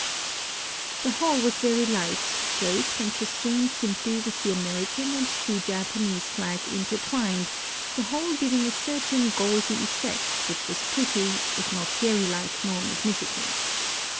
The hall was very light, draped and festooned simply with the American and two Japanese flags intertwined, the whole giving a certain gauzy effect, which was pretty, if not fairy like nor magnificent.